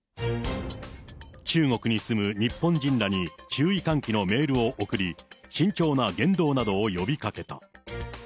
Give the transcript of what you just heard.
中国に住む日本人らに注意喚起のメールを送り、慎重な言動などを呼びかけた。